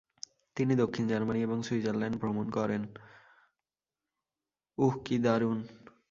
উহ, কী দারুণ!